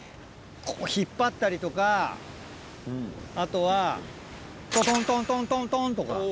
こう引っ張ったりとかあとはトトントントントンとか。